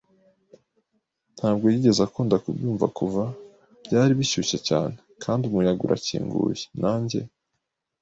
ntabwo yigeze akunda kubyumva kuva. Byari bishyushye cyane, kandi umuyaga urakinguye, nanjye